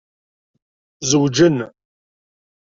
Zewǧen.